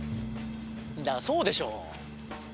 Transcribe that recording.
そうでしょ。